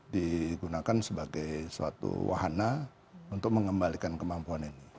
digunakan sebagai suatu wahana untuk mengembalikan kemampuan ini